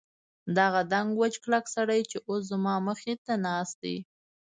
دغه دنګ وچ کلک سړی چې اوس زما مخ ته ناست دی.